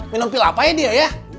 minum pil apanya dia ya